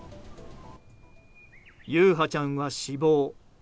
優陽ちゃんは死亡。